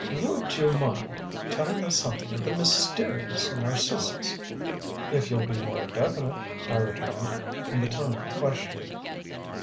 "WOULD you mind telling us something of the MYSTERIOUS Narcissus?" "If you'll be more definite," I returned, in the tone of a question.